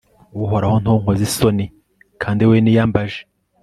uhoraho, ntunkoze isoni kandi ari wowe niyambaje